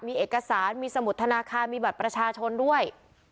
มีเอกสารมีสมุดธนาคารมีบัตรประชาชนด้วย